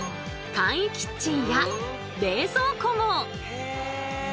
簡易キッチンや冷蔵庫も！